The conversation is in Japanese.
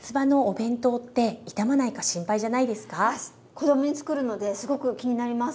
子供につくるのですごく気になります。